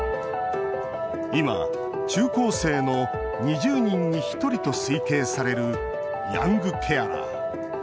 今、中高生の２０人に１人と推計されるヤングケアラー。